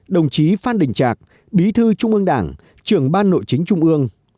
đồng chí phan đình trạc bí thư trung ương đảng trưởng ban nội chính trung ương